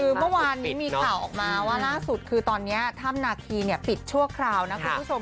คือเมื่อวานนี้มีข่าวออกมาว่าล่าสุดคือตอนนี้ถ้ำนาคีปิดชั่วคราวนะคุณผู้ชม